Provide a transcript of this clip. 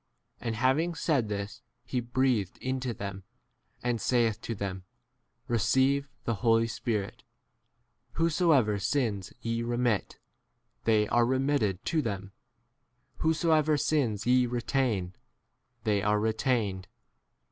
And having said this he breathed into [them], and saith to them, Receive [the] Holy Spirit : 23 whosoever sins ye remit, they are remitted to them ; whosoever sins ye retain, they are retained.